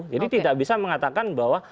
jadi tidak bisa mengatakan bahwa